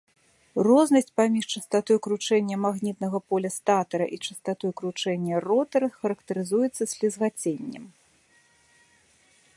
Рознасць паміж частатой кручэння магнітнага поля статара і частатой кручэння ротара характарызуецца слізгаценнем.